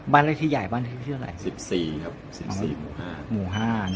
บ้านเลือกที่ใหญ่บ้านเลือกที่เท่าไหร่